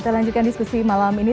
jangan lupa subscribe channel ini